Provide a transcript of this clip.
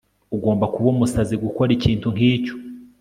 Ugomba kuba umusazi gukora ikintu nkicyo